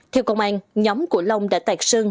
theo công an nhóm của long đã tạt sơn